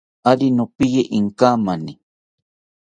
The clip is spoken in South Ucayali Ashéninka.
Ari nopiye inkamani